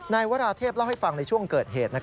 วราเทพเล่าให้ฟังในช่วงเกิดเหตุ